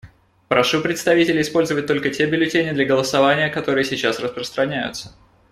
Прошу представителей использовать только те бюллетени для голосования, которые сейчас распространяются.